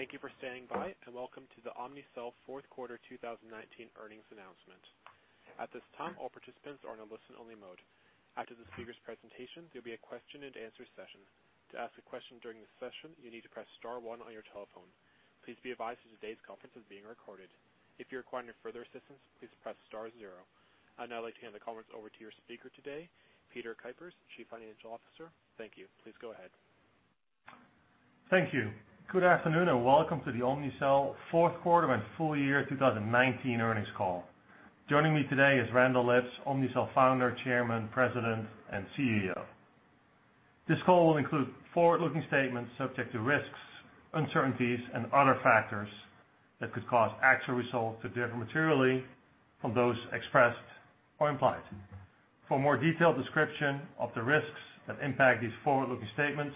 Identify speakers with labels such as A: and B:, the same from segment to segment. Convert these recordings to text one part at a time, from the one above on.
A: Thank you for standing by, and welcome to the Omnicell fourth quarter 2019 earnings announcement. At this time, all participants are in a listen-only mode. After the speaker's presentation, there'll be a question and answer session. To ask a question during the session, you need to press star one on your telephone. Please be advised that today's conference is being recorded. If you're requiring further assistance, please press star zero. I'd now like to hand the conference over to your speaker today, Peter Kuipers, Chief Financial Officer. Thank you. Please go ahead.
B: Thank you. Good afternoon, and welcome to the Omnicell fourth quarter and full year 2019 earnings call. Joining me today is Randall Lipps, Omnicell Founder, Chairman, President, and CEO. This call will include forward-looking statements subject to risks, uncertainties, and other factors that could cause actual results to differ materially from those expressed or implied. For more detailed description of the risks that impact these forward-looking statements,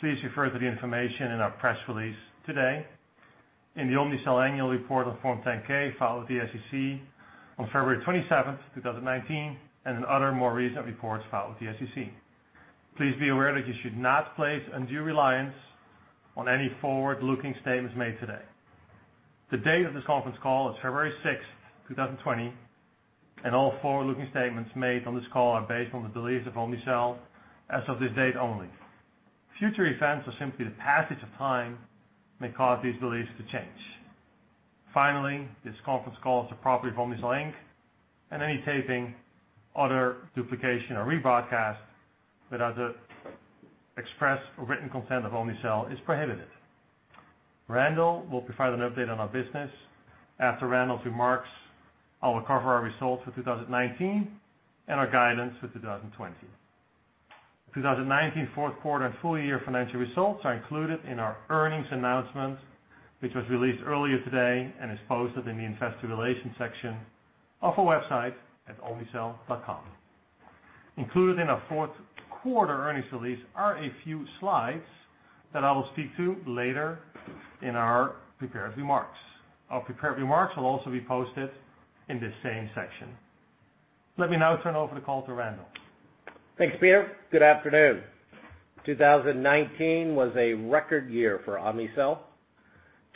B: please refer to the information in our press release today, in the Omnicell Annual Report on Form 10-K filed with the SEC on February 27, 2019, and in other more recent reports filed with the SEC. Please be aware that you should not place undue reliance on any forward-looking statements made today. The date of this conference call is February 6, 2020, and all forward-looking statements made on this call are based on the beliefs of Omnicell as of this date only. Future events or simply the passage of time may cause these beliefs to change. Finally, this conference call is the property of Omnicell, Inc. Any taping, other duplication, or rebroadcast without the express written consent of Omnicell is prohibited. Randall will provide an update on our business. After Randall's remarks, I will cover our results for 2019 and our guidance for 2020. The 2019 fourth quarter and full year financial results are included in our earnings announcement, which was released earlier today and is posted in the investor relations section of our website at omnicell.com. Included in our fourth quarter earnings release are a few slides that I will speak to later in our prepared remarks. Our prepared remarks will also be posted in the same section. Let me now turn over the call to Randall.
C: Thanks, Peter. Good afternoon. 2019 was a record year for Omnicell.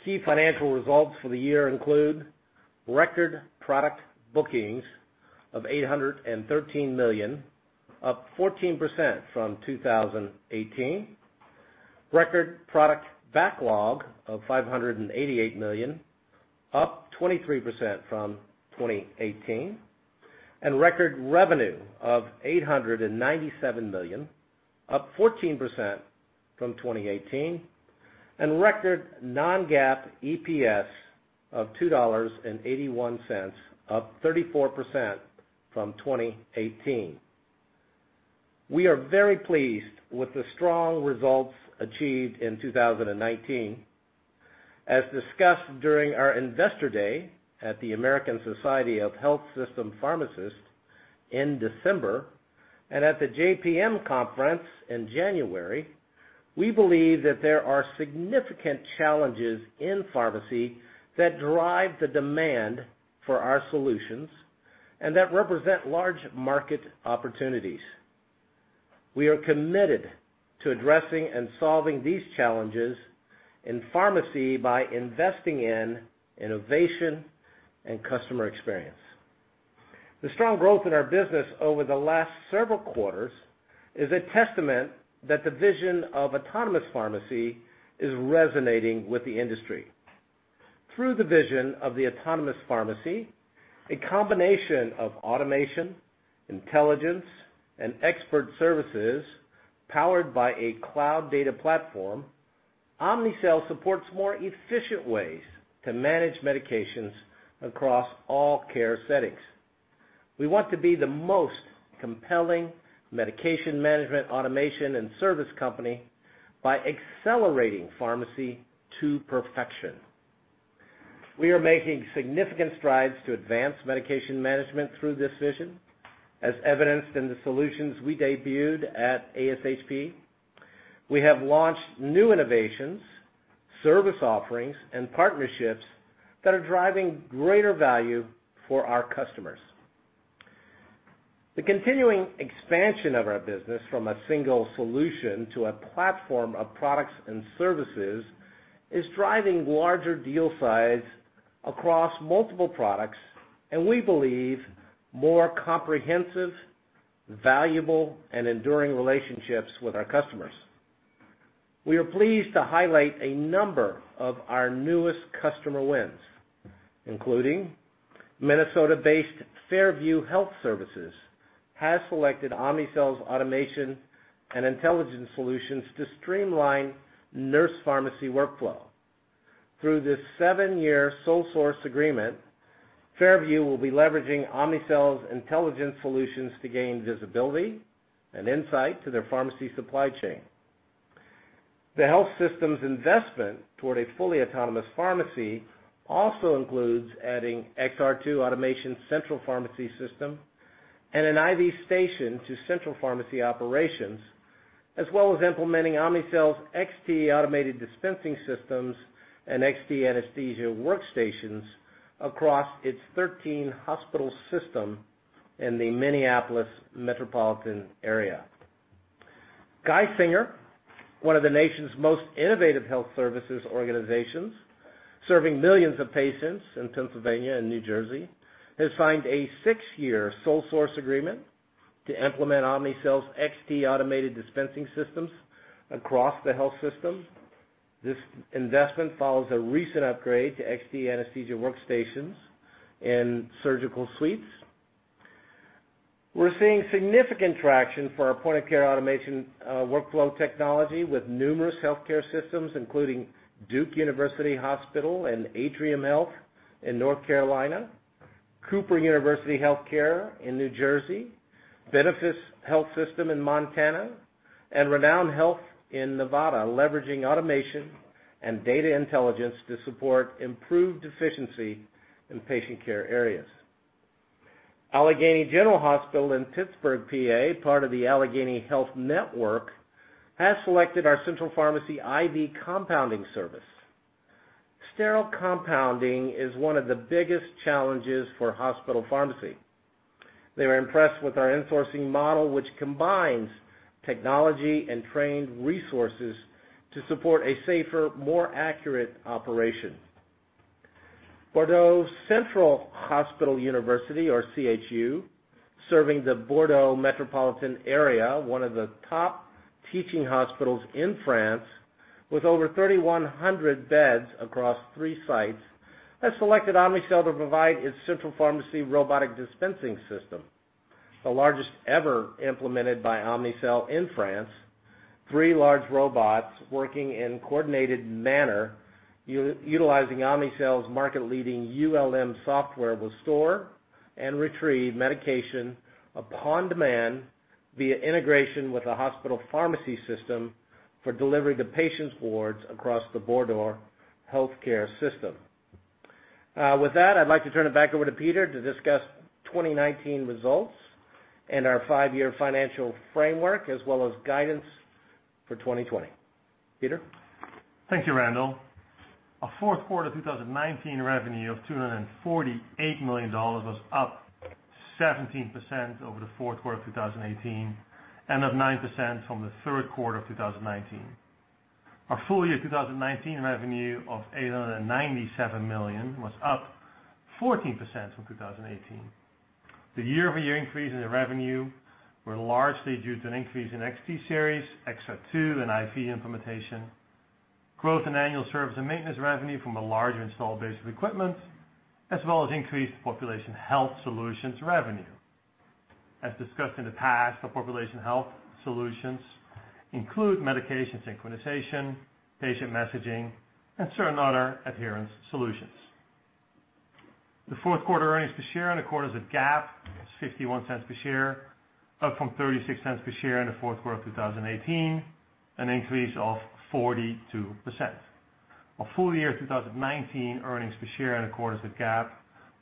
C: Key financial results for the year include record product bookings of $813 million, up 14% from 2018. Record product backlog of $588 million, up 23% from 2018. Record revenue of $897 million, up 14% from 2018. Record non-GAAP EPS of $2.81, up 34% from 2018. We are very pleased with the strong results achieved in 2019. As discussed during our investor day at the American Society of Health-System Pharmacists in December and at the JPMorgan Healthcare Conference in January, we believe that there are significant challenges in pharmacy that drive the demand for our solutions and that represent large market opportunities. We are committed to addressing and solving these challenges in pharmacy by investing in innovation and customer experience. The strong growth in our business over the last several quarters is a testament that the vision of autonomous pharmacy is resonating with the industry. Through the vision of the autonomous pharmacy, a combination of automation, intelligence, and expert services powered by a cloud data platform, Omnicell supports more efficient ways to manage medications across all care settings. We want to be the most compelling medication management automation and service company by accelerating pharmacy to perfection. We are making significant strides to advance medication management through this vision, as evidenced in the solutions we debuted at ASHP. We have launched new innovations, service offerings, and partnerships that are driving greater value for our customers. The continuing expansion of our business from a single solution to a platform of products and services is driving larger deal size across multiple products, and we believe more comprehensive, valuable, and enduring relationships with our customers. We are pleased to highlight a number of our newest customer wins, including Minnesota-based Fairview Health Services has selected Omnicell's automation and intelligence solutions to streamline nurse pharmacy workflow. Through this seven-year sole source agreement, Fairview will be leveraging Omnicell's intelligence solutions to gain visibility and insight to their pharmacy supply chain. The health system's investment toward a fully autonomous pharmacy also includes adding XR2 automated central pharmacy system and an IVX Station to central pharmacy operations, as well as implementing Omnicell's XT automated dispensing systems and XT Anesthesia Workstation across its 13-hospital system in the Minneapolis metropolitan area. Geisinger, one of the nation's most innovative health services organizations, serving millions of patients in Pennsylvania and New Jersey, has signed a six year sole source agreement to implement Omnicell's XT automated dispensing systems across the health system. This investment follows a recent upgrade to XT Anesthesia Workstation and surgical suites. We're seeing significant traction for our point-of-care automation workflow technology with numerous healthcare systems, including Duke University Hospital and Atrium Health in North Carolina, Cooper University Health Care in New Jersey, Benefis Health System in Montana, and Renown Health in Nevada, leveraging automation and data intelligence to support improved efficiency in patient care areas. Allegheny General Hospital in Pittsburgh, PA, part of the Allegheny Health Network, has selected our central pharmacy IV Compounding Service. Sterile compounding is one of the biggest challenges for hospital pharmacy. They were impressed with our in-sourcing model, which combines technology and trained resources to support a safer, more accurate operation. Bordeaux University Hospital, or CHU, serving the Bordeaux metropolitan area, one of the top teaching hospitals in France with over 3,100 beds across three sites, has selected Omnicell to provide its central pharmacy robotic dispensing system, the largest ever implemented by Omnicell in France. Three large robots working in coordinated manner, utilizing Omnicell's market leading ULM software will store and retrieve medication upon demand via integration with the hospital pharmacy system for delivery to patients' wards across the Bordeaux healthcare system. With that, I'd like to turn it back over to Peter to discuss 2019 results and our five-year financial framework as well as guidance for 2020. Peter?
B: Thank you, Randall. Our fourth quarter 2019 revenue of $248 million was up 17% over the fourth quarter of 2018, and up 9% from the third quarter of 2019. Our full year 2019 revenue of $897 million was up 14% from 2018. The year-over-year increase in the revenue were largely due to an increase in XT series, XR2, and IV implementation, growth in annual service and maintenance revenue from a larger installed base of equipment, as well as increased population health solutions revenue. As discussed in the past, our population health solutions include medication synchronization, patient messaging, and certain other adherence solutions. The fourth quarter earnings per share in accordance with GAAP was $0.51 per share, up from $0.36 per share in the fourth quarter of 2018, an increase of 42%. Our full year 2019 earnings per share in accordance with GAAP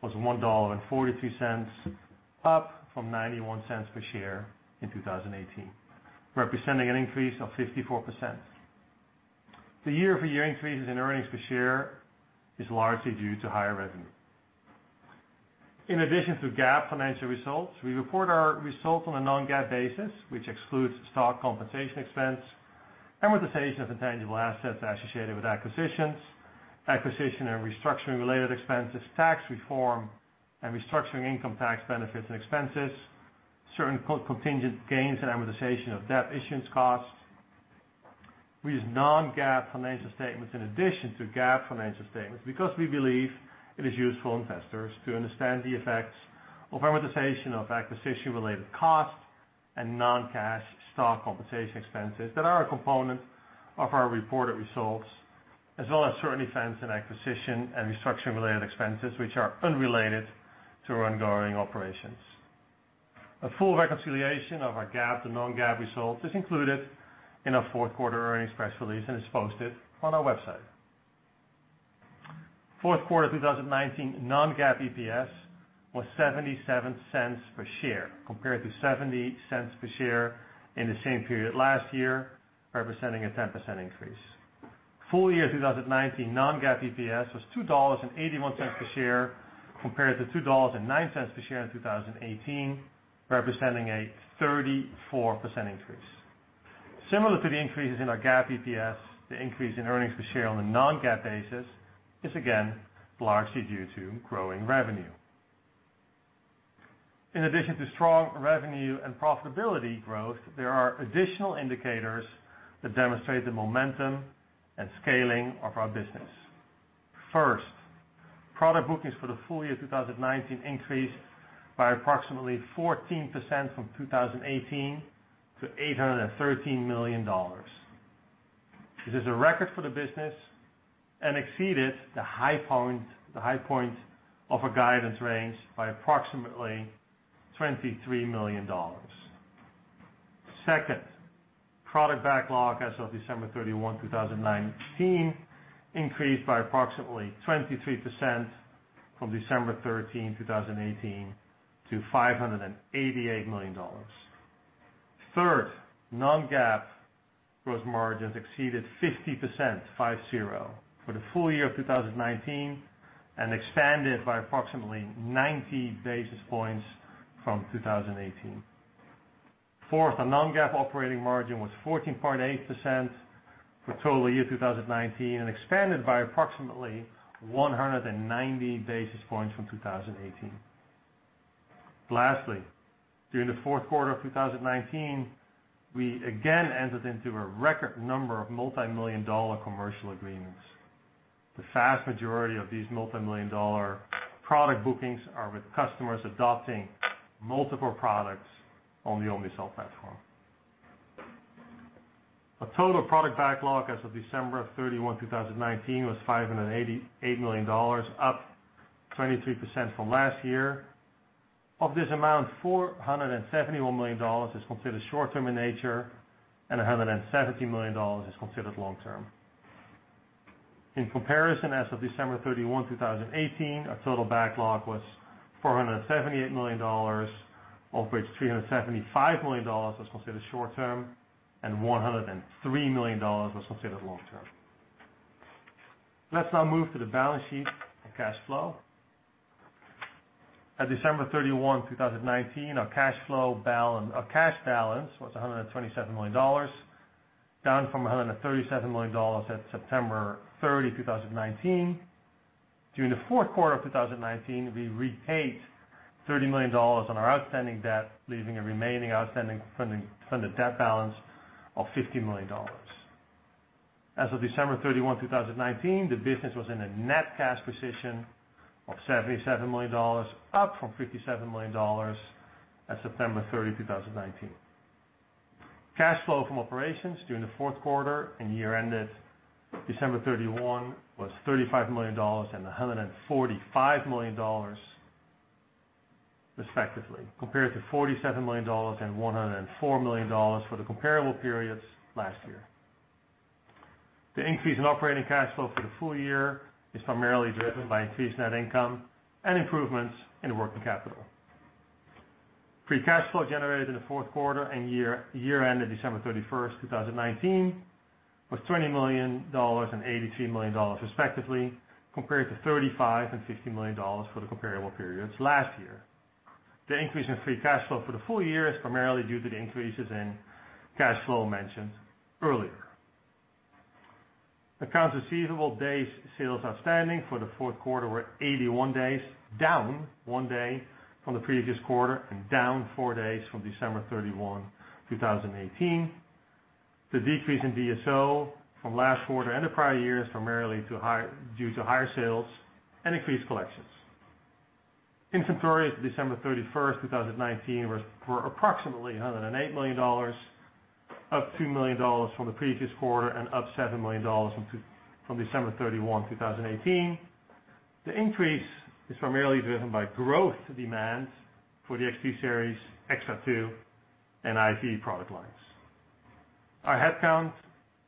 B: was $1.42, up from $0.91 per share in 2018, representing an increase of 54%. The year-over-year increases in earnings per share is largely due to higher revenue. In addition to GAAP financial results, we report our results on a non-GAAP basis, which excludes stock compensation expense, amortization of intangible assets associated with acquisitions, acquisition and restructuring related expenses, tax reform and restructuring income tax benefits and expenses, certain contingent gains and amortization of debt issuance costs. We use non-GAAP financial statements in addition to GAAP financial statements because we believe it is useful investors to understand the effects of amortization of acquisition-related costs and non-cash stock compensation expenses that are a component of our reported results, as well as certain expense and acquisition and restructuring related expenses, which are unrelated to our ongoing operations. A full reconciliation of our GAAP to non-GAAP results is included in our fourth quarter earnings press release and is posted on our website. Fourth quarter 2019 non-GAAP EPS was $0.77 per share compared to $0.70 per share in the same period last year, representing a 10% increase. Full year 2019 non-GAAP EPS was $2.81 per share compared to $2.09 per share in 2018, representing a 34% increase. Similar to the increases in our GAAP EPS, the increase in earnings per share on a non-GAAP basis is again largely due to growing revenue. In addition to strong revenue and profitability growth, there are additional indicators that demonstrate the momentum and scaling of our business. First, product bookings for the full year 2019 increased by approximately 14% from 2018 to $813 million. This is a record for the business and exceeded the high point of our guidance range by approximately $23 million. Second, product backlog as of December 31, 2019 increased by approximately 23% from December 13, 2018, to $588 million. Third, non-GAAP gross margins exceeded 50% for the full year of 2019, and expanded by approximately 90 basis points from 2018. Fourth, our non-GAAP operating margin was 14.8% for total year 2019 and expanded by approximately 190 basis points from 2018. Lastly, during the fourth quarter of 2019, we again entered into a record number of multimillion-dollar commercial agreements. The vast majority of these multimillion-dollar product bookings are with customers adopting multiple products on the Omnicell platform. Our total product backlog as of December 31, 2019, was $588 million, up 23% from last year. Of this amount, $471 million is considered short-term in nature, and $117 million is considered long-term. In comparison, as of December 31, 2018, our total backlog was $478 million, of which $375 million was considered short-term and $103 million was considered long-term. Let's now move to the balance sheet and cash flow. At December 31, 2019, our cash balance was $127 million, down from $137 million at September 30, 2019. During the fourth quarter of 2019, we repaid $30 million on our outstanding debt, leaving a remaining outstanding funded debt balance of $50 million. As of December 31, 2019, the business was in a net cash position of $77 million, up from $57 million as of September 30, 2019. Cash flow from operations during the fourth quarter and year-ended December 31 was $35 million and $145 million respectively, compared to $47 million and $104 million for the comparable periods last year. The increase in operating cash flow for the full year is primarily driven by increased net income and improvements in working capital. Free cash flow generated in the fourth quarter and year-ended December 31, 2019, was $20 million and $83 million respectively, compared to $35 and $50 million for the comparable periods last year. The increase in free cash flow for the full year is primarily due to the increases in cash flow mentioned earlier. Accounts receivable days sales outstanding for the fourth quarter were 81 days, down one day from the previous quarter and down four days from December 31, 2018. The decrease in DSO from last quarter and the prior year is primarily due to higher sales and increased collections. Inventory as of December 31, 2019, was approximately $108 million, up $2 million from the previous quarter and up $7 million from December 31, 2018. The increase is primarily driven by growth demand for the XT series, XR2, and IV product lines. Our headcount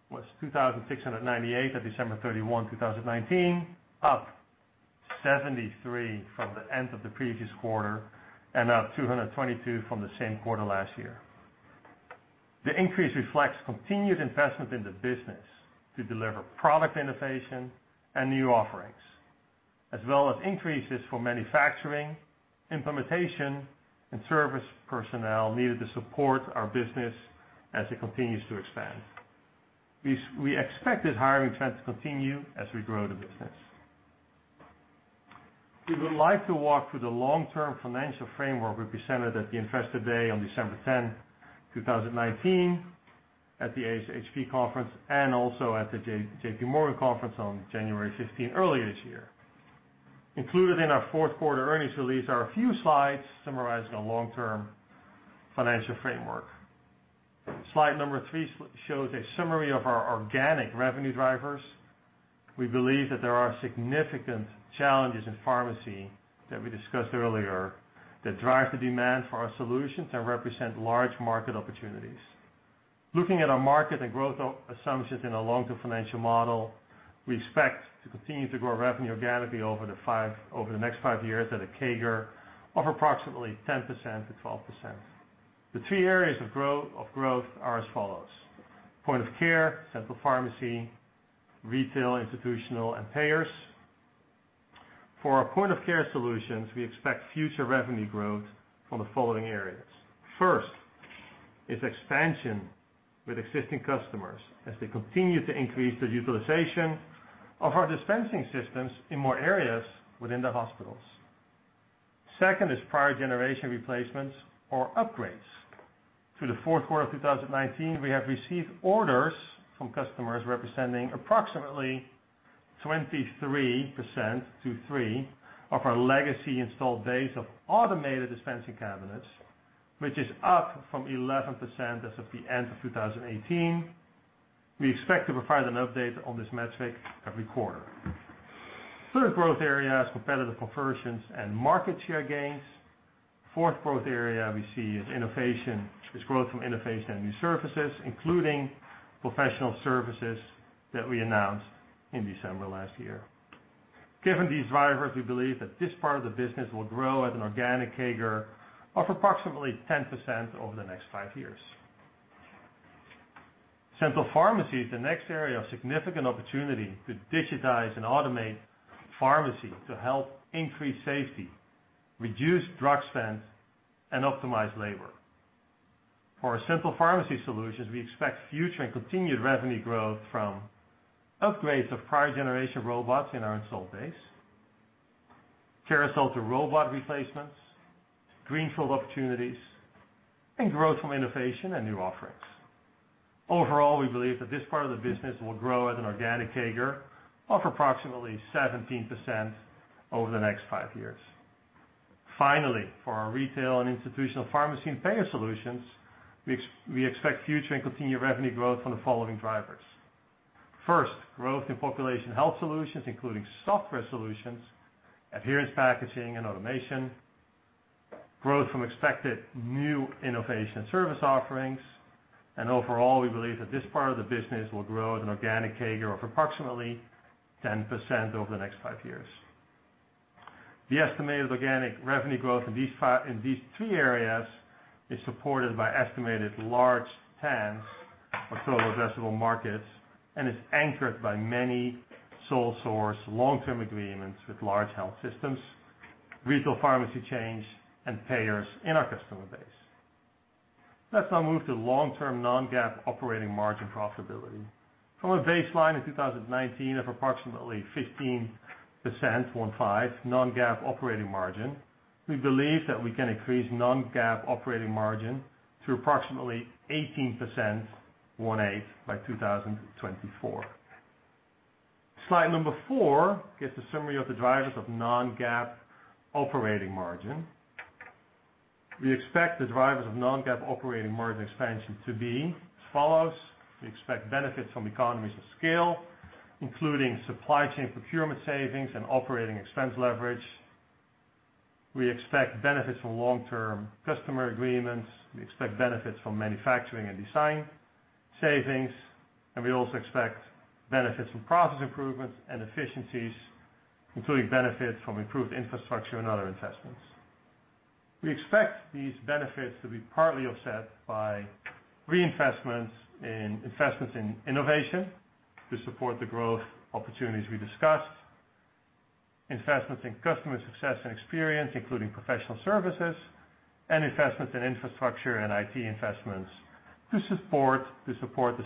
B: was 2,698 at December 31, 2019, up 73 from the end of the previous quarter and up 222 from the same quarter last year. The increase reflects continued investment in the business to deliver product innovation and new offerings, as well as increases for manufacturing, implementation, and service personnel needed to support our business as it continues to expand. We expect this hiring trend to continue as we grow the business. We would like to walk through the long-term financial framework we presented at the Investor Day on December 10, 2019, at the ASHP Conference, also at the J.P. Morgan Healthcare Conference on January 15 earlier this year. Included in our fourth quarter earnings release are a few slides summarizing the long-term financial framework. Slide number three shows a summary of our organic revenue drivers. We believe that there are significant challenges in pharmacy that we discussed earlier that drive the demand for our solutions and represent large market opportunities. Looking at our market and growth assumptions in our long-term financial model, we expect to continue to grow revenue organically over the next five years at a CAGR of approximately 10%-12%. The three areas of growth are as follows. Point of care, central pharmacy, retail, institutional, and payers. For our point-of-care solutions, we expect future revenue growth from the following areas. First is expansion with existing customers as they continue to increase the utilization of our dispensing systems in more areas within the hospitals. Second is prior generation replacements or upgrades. Through the fourth quarter of 2019, we have received orders from customers representing approximately 23%, two three, of our legacy installed base of automated dispensing cabinets, which is up from 11% as of the end of 2018. We expect to provide an update on this metric every quarter. Third growth area is competitive conversions and market share gains. Fourth growth area we see is growth from innovation and new services, including professional services that we announced in December last year. Given these drivers, we believe that this part of the business will grow at an organic CAGR of approximately 10% over the next five years. Central pharmacy is the next area of significant opportunity to digitize and automate pharmacy to help increase safety, reduce drug spend, and optimize labor. For our central pharmacy solutions, we expect future and continued revenue growth from upgrades of prior generation robots in our install base, carousel to robot replacements, greenfield opportunities, and growth from innovation and new offerings. Overall, we believe that this part of the business will grow at an organic CAGR of approximately 17% over the next five years. Finally, for our retail and institutional pharmacy and payer solutions, we expect future and continued revenue growth from the following drivers. First, growth in Population Health Solutions, including software solutions, adherence packaging, and automation, growth from expected new innovation service offerings, and overall, we believe that this part of the business will grow at an organic CAGR of approximately 10% over the next five years. The estimated organic revenue growth in these three areas is supported by estimated large TAMs or total addressable markets, and is anchored by many sole source long-term agreements with large health systems, retail pharmacy chains, and payers in our customer base. Let's now move to long-term non-GAAP operating margin profitability. From a baseline in 2019 of approximately 15%, one five, non-GAAP operating margin, we believe that we can increase non-GAAP operating margin to approximately 18%, one eight, by 2024. Slide number four gives a summary of the drivers of non-GAAP operating margin. We expect the drivers of non-GAAP operating margin expansion to be as follows. We expect benefits from economies of scale, including supply chain procurement savings and operating expense leverage. We expect benefits from long-term customer agreements. We also expect benefits from manufacturing and design savings, and we also expect benefits from process improvements and efficiencies, including benefits from improved infrastructure and other investments. We expect these benefits to be partly offset by reinvestments in innovation to support the growth opportunities we discussed, investments in customer success and experience, including professional services, and investments in infrastructure and IT investments to support the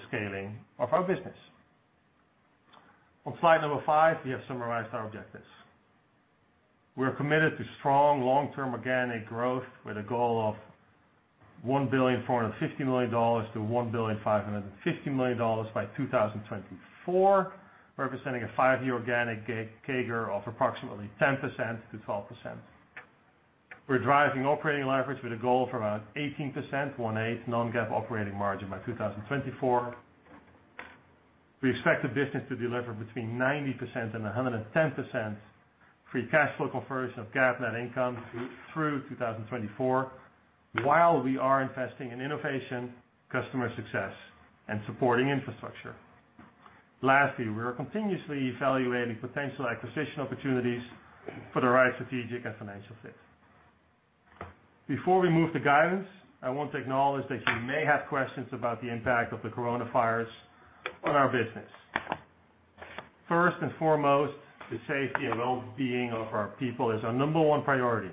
B: scaling of our business. On slide number five, we have summarized our objectives. We are committed to strong long-term organic growth with a goal of $1.45 billion-$1.55 billion by 2024, representing a five year organic CAGR of approximately 10%-12%. We're driving operating leverage with a goal of around 18% non-GAAP operating margin by 2024. We expect the business to deliver between 90% and 110% free cash flow conversion of GAAP net income through 2024 while we are investing in innovation, customer success, and supporting infrastructure. Lastly, we are continuously evaluating potential acquisition opportunities for the right strategic and financial fit. Before we move to guidance, I want to acknowledge that you may have questions about the impact of the coronavirus on our business. First and foremost, the safety and well-being of our people is our number one priority.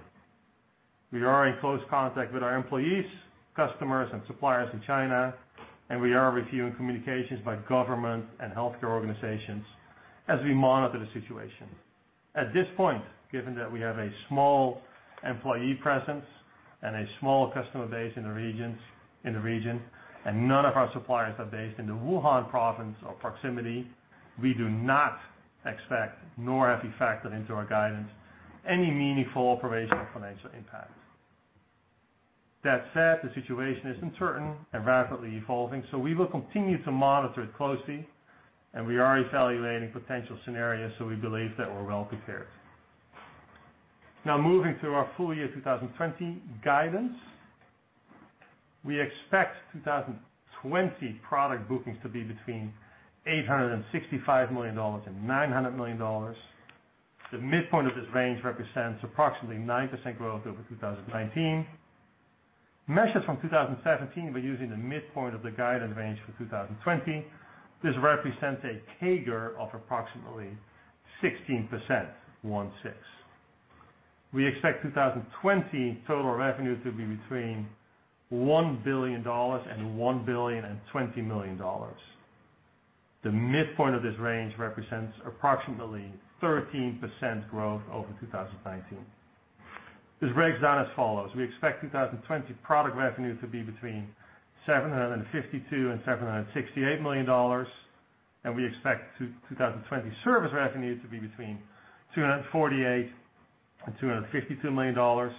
B: We are in close contact with our employees, customers, and suppliers in China, and we are reviewing communications by government and healthcare organizations as we monitor the situation. At this point, given that we have a small employee presence and a small customer base in the region, and none of our suppliers are based in the Wuhan province or proximity, we do not expect, nor have we factored into our guidance, any meaningful operational financial impact. That said, the situation is uncertain and rapidly evolving, so we will continue to monitor it closely, and we are evaluating potential scenarios, so we believe that we're well prepared. Now, moving to our full year 2020 guidance. We expect 2020 product bookings to be between $865,000,000 and $900,000,000. The midpoint of this range represents approximately 9% growth over 2019. Measured from 2017 by using the midpoint of the guidance range for 2020, this represents a CAGR of approximately 16%, one six. We expect 2020 total revenue to be between $1,000,000,000 and $1,020,000,000. The midpoint of this range represents approximately 13% growth over 2019. This breaks down as follows. We expect 2020 product revenue to be between $752 million and $768 million, and we expect 2020 service revenue to be between $248 million and $252 million.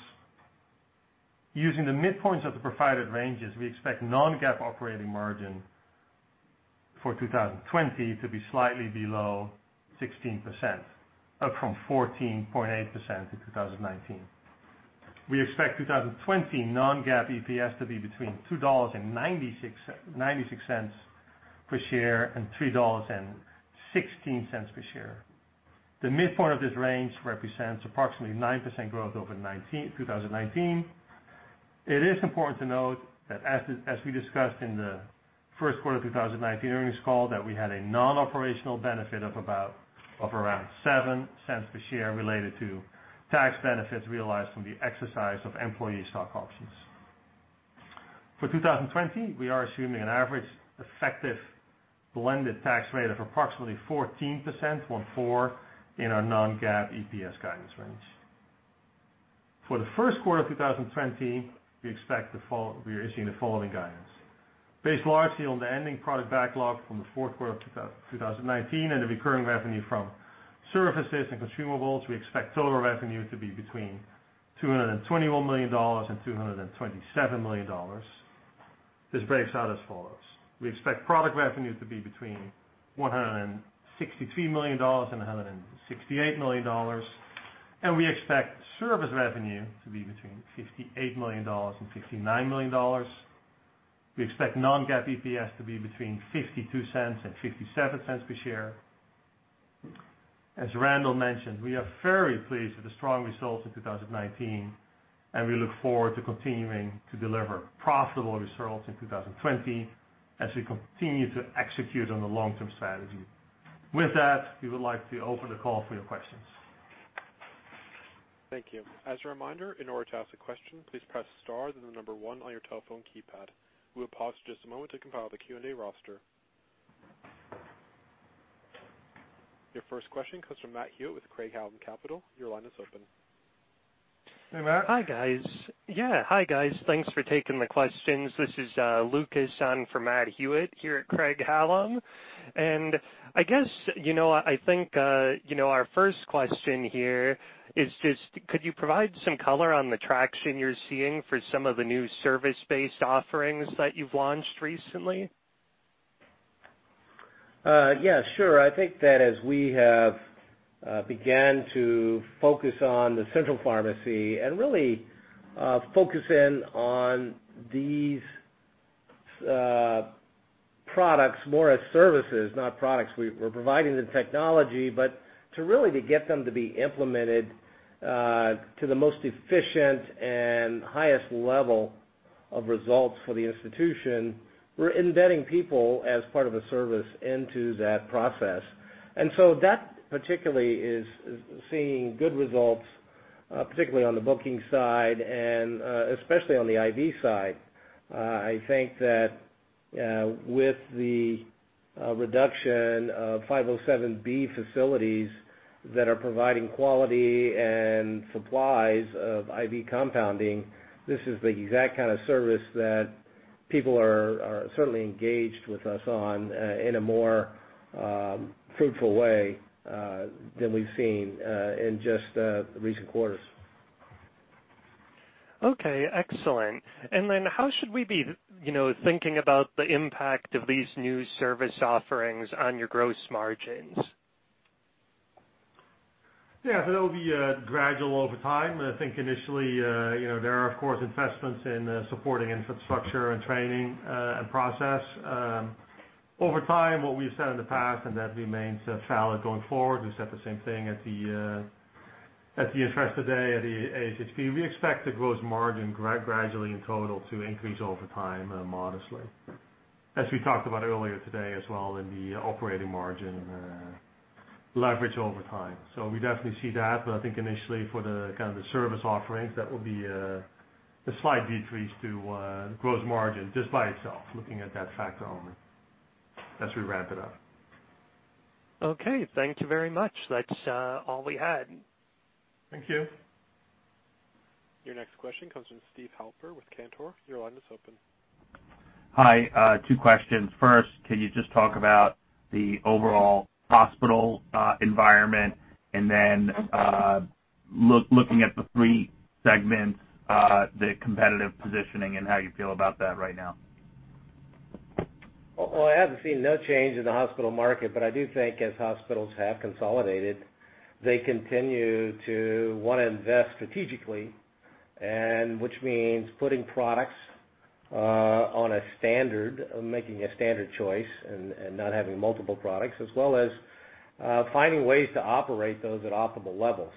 B: Using the midpoints of the provided ranges, we expect non-GAAP operating margin for 2020 to be slightly below 16%, up from 14.8% in 2019. We expect 2020 non-GAAP EPS to be between $2.96 per share and $3.16 per share. The midpoint of this range represents approximately 9% growth over 2019. It is important to note that as we discussed in the first quarter 2019 earnings call, that we had a non-operational benefit of around $0.07 per share related to tax benefits realized from the exercise of employee stock options. For 2020, we are assuming an average effective blended tax rate of approximately 14%, one four, in our non-GAAP EPS guidance range. For the first quarter of 2020, we are issuing the following guidance. Based largely on the ending product backlog from the fourth quarter of 2019 and the recurring revenue from services and consumables, we expect total revenue to be between $221 million and $227 million. This breaks out as follows. We expect product revenue to be between $163 million and $168 million, and we expect service revenue to be between $58 million and $59 million. We expect non-GAAP EPS to be between $0.52 and $0.57 per share. As Randall mentioned, we are very pleased with the strong results in 2019, and we look forward to continuing to deliver profitable results in 2020 as we continue to execute on the long-term strategy. With that, we would like to open the call for your questions.
A: Thank you. As a reminder, in order to ask a question, please press star, then the number 1 on your telephone keypad. We will pause just a moment to compile the Q&A roster. Your first question comes from Matt Hewitt with Craig-Hallum Capital. Your line is open.
C: Hey, Matt.
D: Hi, guys. Yeah. Hi, guys. Thanks for taking the questions. This is Lucas in for Matt Hewitt here at Craig-Hallum. I think our first question here is just could you provide some color on the traction you're seeing for some of the new service-based offerings that you've launched recently?
C: Yeah, sure. I think that as we have began to focus on the central pharmacy and really focus in on these products more as services, not products, we're providing the technology. To really get them to be implemented, to the most efficient and highest level of results for the institution, we're embedding people as part of a service into that process. That particularly is seeing good results, particularly on the booking side and especially on the IV side. I think that with the reduction of 503B facilities that are providing quality and supplies of IV compounding, this is the exact kind of service that people are certainly engaged with us on in a more fruitful way than we've seen in just the recent quarters.
D: Okay, excellent. How should we be thinking about the impact of these new service offerings on your gross margins?
B: Yeah. That'll be gradual over time. I think initially, there are, of course, investments in supporting infrastructure and training and process. Over time, what we've said in the past, and that remains valid going forward, we said the same thing at the Investor Day at the ASHP, we expect the gross margin gradually in total to increase over time modestly. As we talked about earlier today as well in the operating margin leverage over time. We definitely see that, but I think initially for the service offerings, that will be a slight decrease to gross margin just by itself, looking at that factor only as we ramp it up.
D: Okay. Thank you very much. That's all we had.
B: Thank you.
A: Your next question comes from Steve Halper with Cantor. Your line is open.
E: Hi. Two questions. First, can you just talk about the overall hospital environment, and then looking at the three segments, the competitive positioning and how you feel about that right now?
C: Well, I haven't seen no change in the hospital market, but I do think as hospitals have consolidated, they continue to want to invest strategically, which means putting products on a standard, making a standard choice and not having multiple products, as well as finding ways to operate those at optimal levels.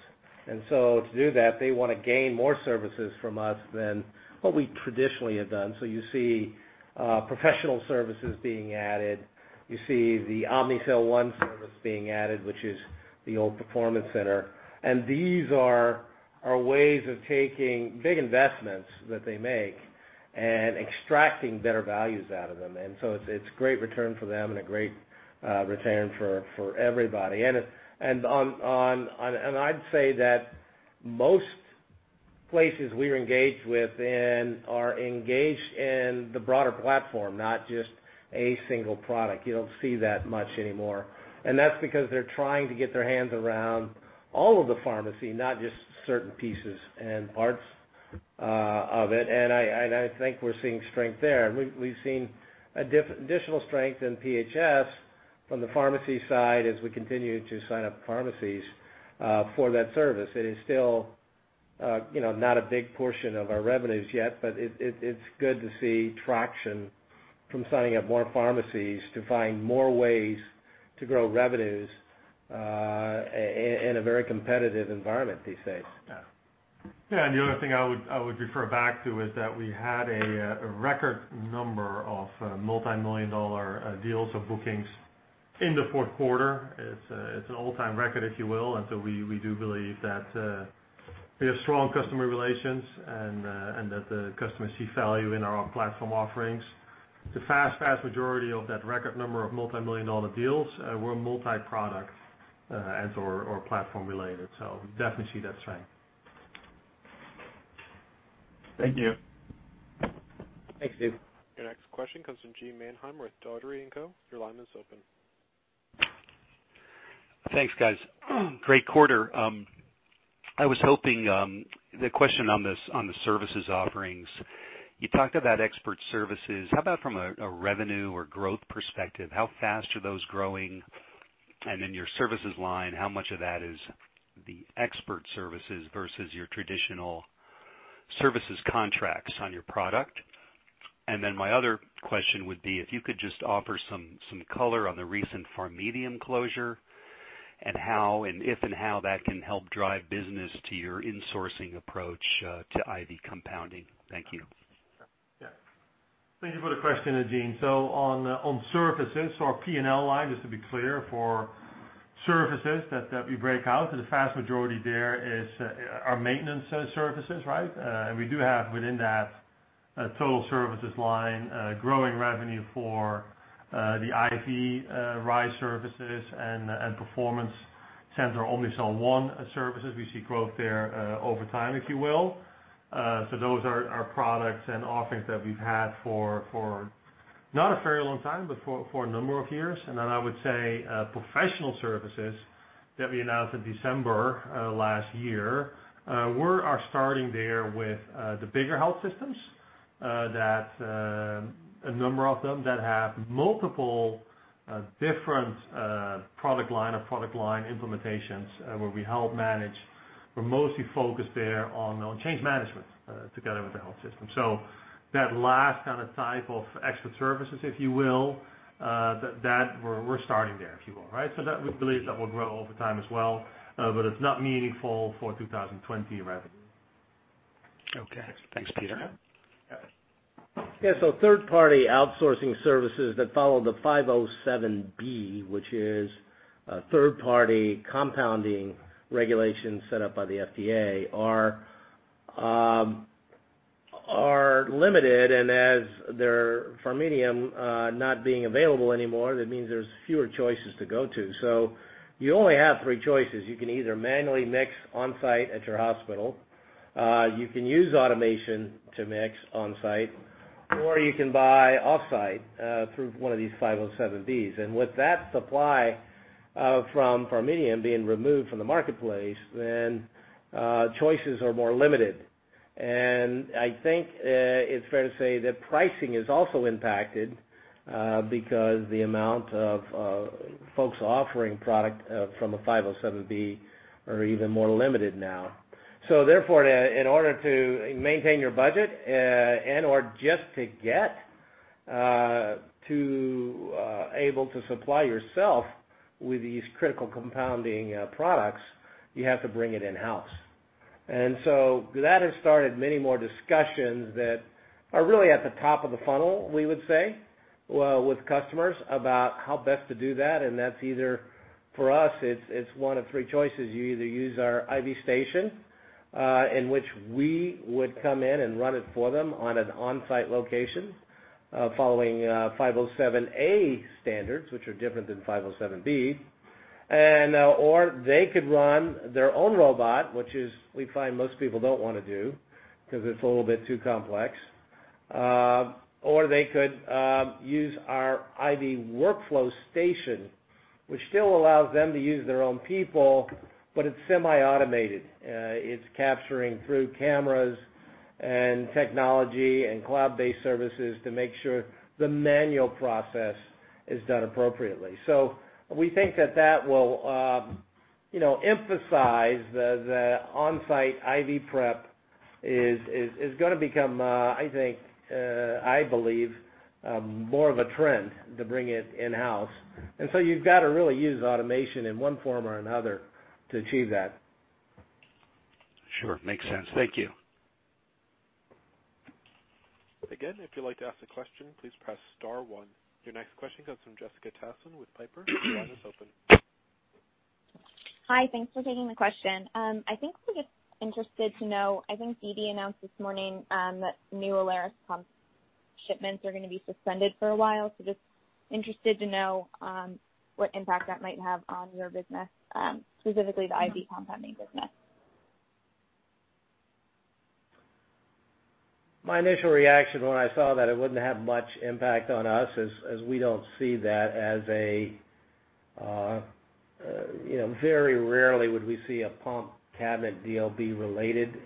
C: To do that, they want to gain more services from us than what we traditionally have done. You see professional services being added. You see the Omnicell One service being added, which is the old performance center. These are our ways of taking big investments that they make and extracting better values out of them. It's a great return for them and a great return for everybody. I'd say that most places we're engaged with in are engaged in the broader platform, not just a single product. You don't see that much anymore. That's because they're trying to get their hands around all of the pharmacy, not just certain pieces and parts of it. I think we're seeing strength there. We've seen additional strength in PHS from the pharmacy side, as we continue to sign up pharmacies for that service, it is still not a big portion of our revenues yet, but it's good to see traction from signing up more pharmacies to find more ways to grow revenues in a very competitive environment these days.
B: Yeah. The other thing I would refer back to is that we had a record number of multimillion-dollar deals or bookings in the fourth quarter. It's an all-time record, if you will. We do believe that we have strong customer relations and that the customers see value in our platform offerings. The vast majority of that record number of multimillion-dollar deals were multi-product and/or platform related. We definitely see that trend.
E: Thank you.
C: Thanks, dude.
A: Your next question comes from Eugene Mannheimer with Dougherty & Company. Your line is open.
F: Thanks, guys. Great quarter. I was hoping, the question on the services offerings, you talked about expert services. How about from a revenue or growth perspective, how fast are those growing? Your services line, how much of that is the expert services versus your traditional services contracts on your product? My other question would be, if you could just offer some color on the recent PharMEDium closure and if and how that can help drive business to your insourcing approach to IV compounding. Thank you.
B: Thank you for the question, Gene. On services, our P&L line, just to be clear, for services that we break out, the vast majority there are maintenance services, right? We do have, within that total services line, growing revenue for the IVX services and performance center, Omnicell One services. We see growth there over time, if you will. Those are products and offerings that we've had for not a very long time, but for a number of years. I would say, professional services that we announced in December last year, we are starting there with the bigger health systems, a number of them that have multiple different product line implementations where we help manage. We're mostly focused there on change management together with the health system. That last kind of type of extra services, if you will, we're starting there, if you will, right? We believe that will grow over time as well, but it's not meaningful for 2020 revenue.
F: Okay. Thanks, Peter.
B: Yeah.
C: Yeah. Third party outsourcing services that follow the 503B, which is a third party compounding regulation set up by the FDA, are limited. As PharMEDium not being available anymore, that means there's fewer choices to go to. You only have three choices. You can either manually mix on-site at your hospital, you can use automation to mix on-site, or you can buy off-site through one of these 503Bs. With that supply from PharMEDium being removed from the marketplace, then choices are more limited. I think it's fair to say that pricing is also impacted, because the amount of folks offering product from a 503B are even more limited now. Therefore, in order to maintain your budget and/or just to get to able to supply yourself with these critical compounding products, you have to bring it in-house. That has started many more discussions that are really at the top of the funnel, we would say, with customers about how best to do that. That's either for us, it's one of three choices. You either use our IV Station, in which we would come in and run it for them on an on-site location following 503A standards, which are different than 503B. They could run their own robot, which is we find most people don't want to do, because it's a little bit too complex. They could use our IV Workflow Station, which still allows them to use their own people, but it's semi-automated. It's capturing through cameras and technology and cloud-based services to make sure the manual process is done appropriately. We think that that will emphasize that on-site IV prep is going to become, I believe, more of a trend to bring it in-house. You've got to really use automation in one form or another to achieve that.
F: Sure. Makes sense. Thank you.
A: Again, if you'd like to ask a question, please press star one. Your next question comes from Jessica Tassan with Piper. Your line is open.
G: Hi. Thanks for taking the question. I think we're just interested to know, I think BD announced this morning that new Alaris pump shipments are going to be suspended for a while. Just interested to know what impact that might have on your business, specifically the IV compounding business.
C: My initial reaction when I saw that it wouldn't have much impact on us, as we don't see that as very rarely would we see a pump cabinet DLB related.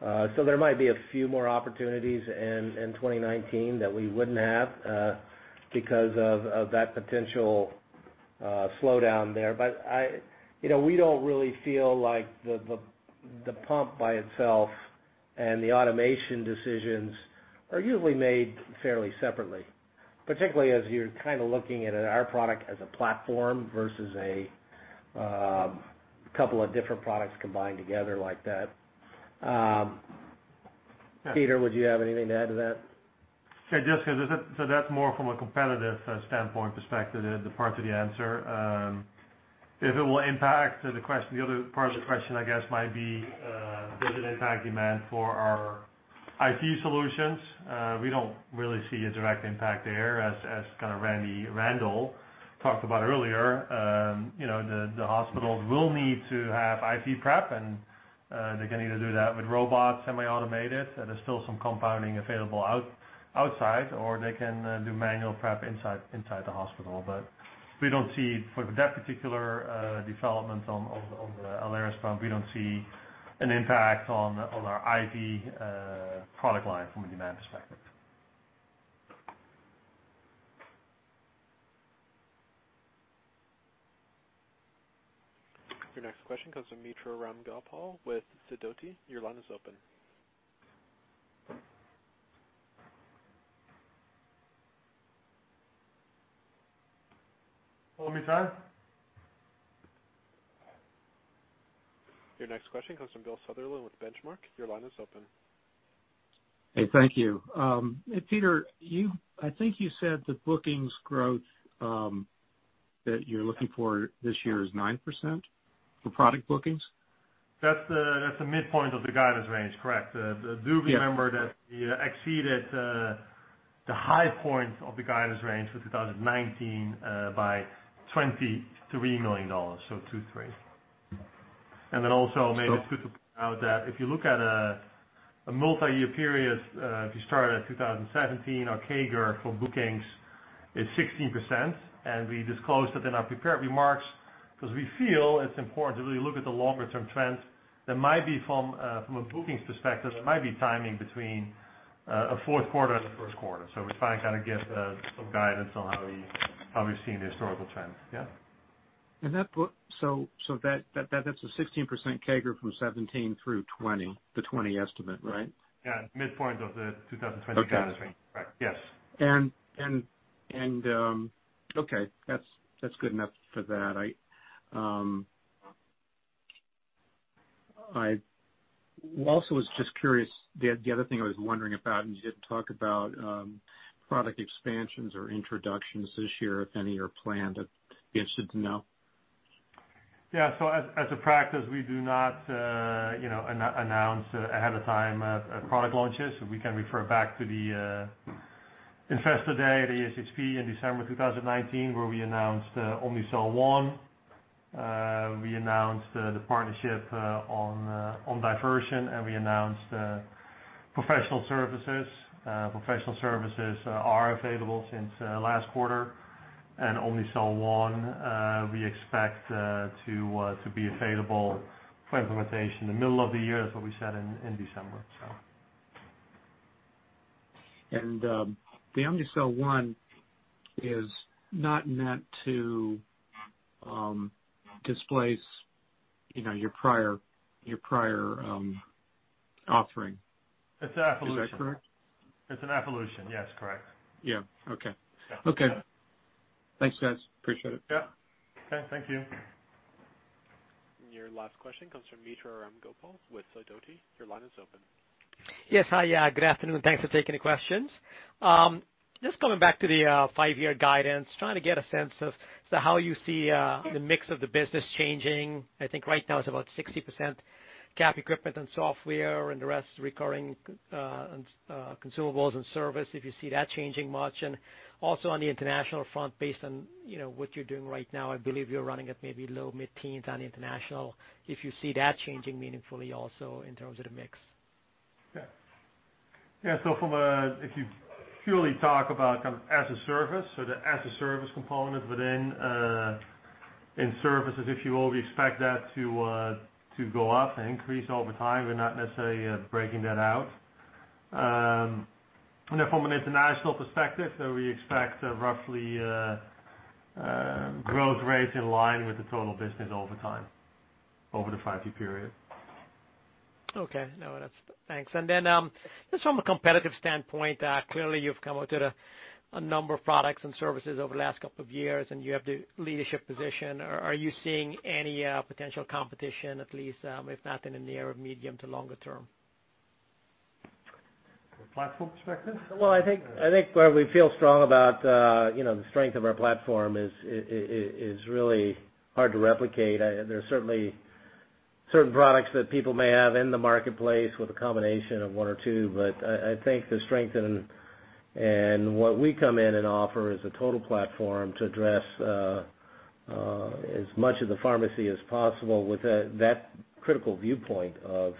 C: There might be a few more opportunities in 2019 that we wouldn't have because of that potential slowdown there. We don't really feel like the pump by itself and the automation decisions are usually made fairly separately, particularly as you're looking at our product as a platform versus a couple of different products combined together like that. Peter, would you have anything to add to that?
B: Sure. That's more from a competitive standpoint perspective, the parts of the answer. If it will impact the other part of the question, I guess, might be, does it impact demand for our IT solutions? We don't really see a direct impact there as kind of Randall talked about earlier. The hospitals will need to have IT prep, and they can either do that with robots, semi-automated, there is still some compounding available outside, or they can do manual prep inside the hospital. For that particular development on the Alaris pump, we don't see an impact on our IT product line from a demand perspective.
A: Your next question comes from Mitra Ramgopal with Sidoti. Your line is open.
B: Hello, Mitra.
A: Your next question comes from Bill Sutherland with Benchmark. Your line is open.
H: Hey, thank you. Peter, I think you said that bookings growth that you're looking for this year is 9% for product bookings.
B: That's the midpoint of the guidance range, correct.
H: Yeah.
B: Do remember that we exceeded the high point of the guidance range for 2019 by $23 million, so two three. Also, maybe it's good to point out that if you look at a multi-year period, if you start at 2017, our CAGR for bookings is 16%, and we disclosed it in our prepared remarks because we feel it's important to really look at the longer-term trends. From a bookings perspective, there might be timing between a fourth quarter and a first quarter. We try to kind of give some guidance on how we've seen the historical trends. Yeah.
H: That's a 16% CAGR from 2017 through 2020, the 2020 estimate, right?
B: Yeah. Midpoint of the 2020 guidance range.
H: Okay.
B: Right. Yes.
H: Okay. That's good enough for that. I also was just curious, the other thing I was wondering about, and you didn't talk about product expansions or introductions this year, if any, are planned that you're interested to know.
B: Yeah. As a practice, we do not announce ahead of time product launches. We can refer back to the Investor Day at ASHP in December 2019, where we announced Omnicell One, we announced the partnership on diversion, and we announced professional services. Professional services are available since last quarter, and Omnicell One we expect to be available for implementation in the middle of the year, is what we said in December.
H: The Omnicell One is not meant to displace your prior offering.
B: It's an evolution.
H: Is that correct?
B: It's an evolution. Yes, correct.
H: Yeah. Okay.
B: Yeah.
H: Okay. Thanks, guys. Appreciate it.
B: Yeah. Okay, thank you.
A: Your last question comes from Mitra Ramgopal with Sidoti. Your line is open.
I: Yes. Hi, good afternoon. Thanks for taking the questions. Just coming back to the five-year guidance, trying to get a sense of how you see the mix of the business changing. I think right now it's about 60% cap equipment and software and the rest recurring consumables and service, if you see that changing much. Also, on the international front, based on what you're doing right now, I believe you're running at maybe low mid-teens on international, if you see that changing meaningfully also in terms of the mix.
B: Yeah. If you purely talk about kind of as a service, so the as a service component within services, if you will, we expect that to go up and increase over time. We're not necessarily breaking that out. From an international perspective, we expect roughly growth rates in line with the total business over time, over the five-year period.
I: Okay. No, that's thanks. Just from a competitive standpoint, clearly you've come out with a number of products and services over the last couple of years, and you have the leadership position. Are you seeing any potential competition, at least, if not in the near or medium to longer term?
B: From a platform perspective?
C: Well, I think where we feel strong about the strength of our platform is really hard to replicate. There's certainly certain products that people may have in the marketplace with a combination of one or two, but I think the strength and what we come in and offer is a total platform to address as much of the pharmacy as possible with that critical viewpoint of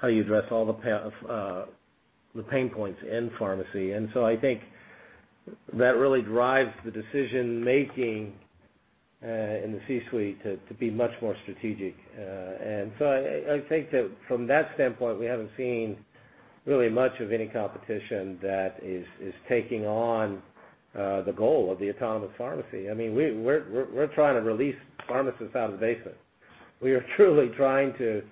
C: how you address all the pain points in pharmacy. I think that really drives the decision-making in the C-suite to be much more strategic. I think that from that standpoint, we haven't seen really much of any competition that is taking on the goal of the autonomous pharmacy. We're trying to release pharmacists out of the basement. We are truly trying to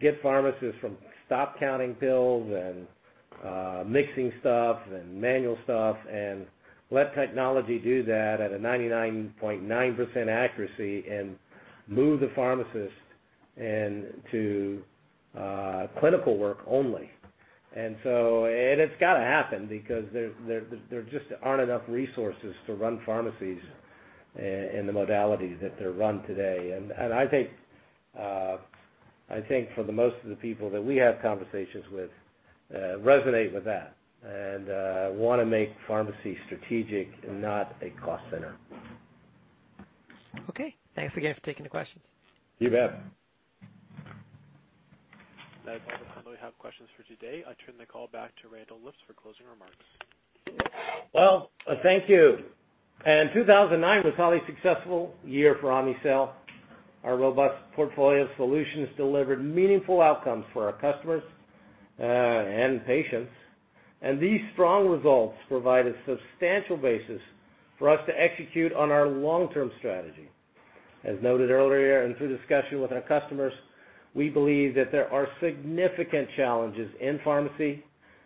C: get pharmacists from stop counting pills and mixing stuff and manual stuff. Let technology do that at a 99.9% accuracy and move the pharmacist into clinical work only. It's got to happen because there just aren't enough resources to run pharmacies in the modalities that they're run today. I think for the most of the people that we have conversations with, resonate with that, and want to make pharmacy strategic and not a cost center.
I: Okay. Thanks again for taking the questions.
C: You bet.
A: That's all the time we have questions for today. I turn the call back to Randall Lipps for closing remarks.
C: Well, thank you. 2019 was highly successful year for Omnicell. Our robust portfolio solutions delivered meaningful outcomes for our customers and patients. These strong results provide a substantial basis for us to execute on our long-term strategy. As noted earlier and through discussion with our customers, we believe that there are significant challenges in pharmacy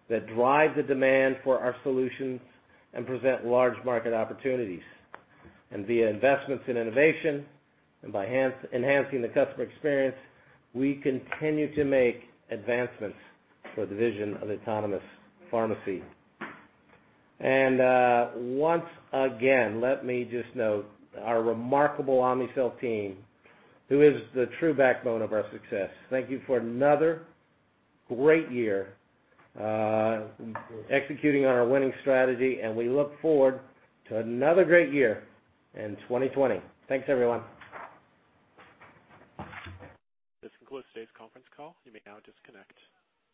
C: that drive the demand for our solutions and present large market opportunities. Via investments in innovation and by enhancing the customer experience, we continue to make advancements for the vision of autonomous pharmacy. Once again, let me just note our remarkable Omnicell team, who is the true backbone of our success. Thank you for another great year executing on our winning strategy, and we look forward to another great year in 2020. Thanks, everyone.
A: This concludes today's conference call. You may now disconnect.